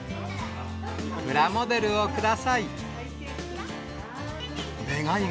プラモデルをください。